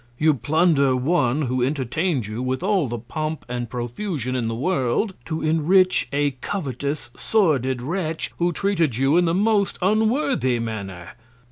You plunder One, who entertain'd you with all the Pomp and Profusion in the World, to enrich a covetous, sordid Wretch, who treated you in the most unworthy Manner.